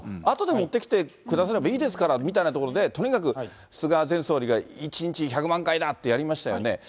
あとで持ってきてくださればいいですからみたいなところで、とにかく菅前総理が１日１００万回だってやりましたよね。